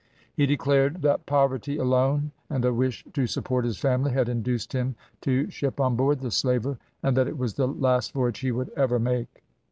He declared that poverty alone, and a wish to support his family, had induced him to ship on board the slaver, and that it was the last voyage he would ever make.